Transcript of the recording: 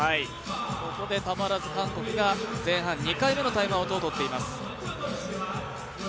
ここで、たまらず韓国が前半２回目のタイムアウト。